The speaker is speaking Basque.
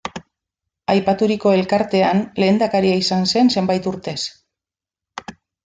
Aipaturiko elkartean lehendakaria izan zen zenbait urtez.